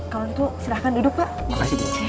kalau gitu silahkan duduk pak